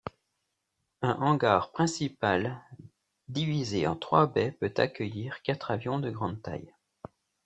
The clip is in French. Un hangar principal, divisé en trois baies peut accueillir quatre avions de grande taille.